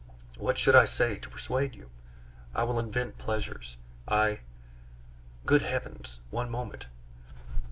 What should I say to persuade you? I will invent pleasures ... I ... Great heavens! one moment!